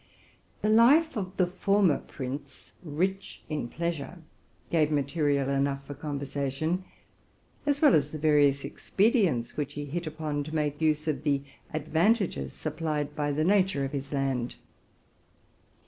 The life of the late prince, rich in pleasure, gave material enough for conversation, as well as the vari ous expedients which he hit upon to make use of the advan tages supplied by the nature of his land.